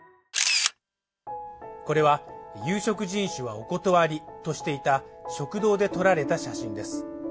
これは「有色人種はお断り」としていた食堂で撮られた写真です。